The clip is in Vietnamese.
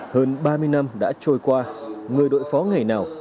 hơn ba mươi năm đã trôi qua người đội phó ngày nào